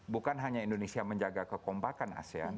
bukan hanya indonesia menjaga kekompakan asean